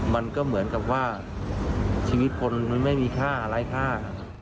มันก็เหมือนกับว่าชีวิตคนมันไม่มีค่าไร้ค่า